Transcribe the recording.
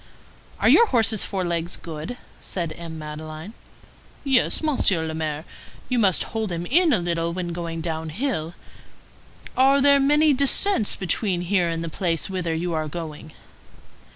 "Are your horse's forelegs good?" said M. Madeleine. "Yes, Monsieur le Maire. You must hold him in a little when going down hill. Are there many descends between here and the place whither you are going?"